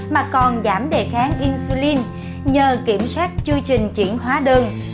mà còn giảm đề kháng insulin nhờ kiểm soát chư trình chuyển hóa đường